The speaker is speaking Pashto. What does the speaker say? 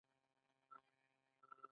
له دې وړاندې نورې ژباړې شوې وې.